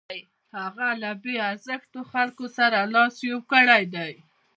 هغه له بې ارزښتو خلکو سره لاس یو کړی دی.